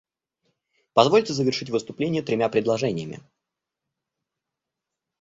Позвольте завершить выступление тремя предложениями.